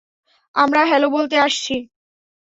আমরা হ্যালো বলতে আসছি।